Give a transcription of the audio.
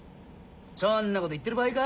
そんなこと言ってる場合か？